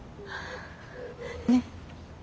ねっ。